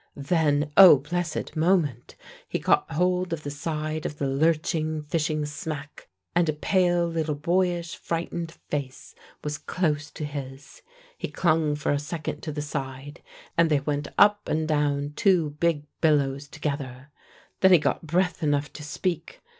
Then, oh, blessed moment! he caught hold of the side of the lurching fishing smack, and a pale little boyish frightened face was close to his. He clung for a second to the side, and they went up and down two big billows together. Then he got breath enough to speak.